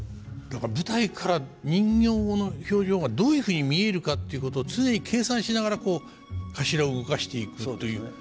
だから舞台から人形の表情がどういうふうに見えるかっていうことを常に計算しながらこう頭を動かしていくという。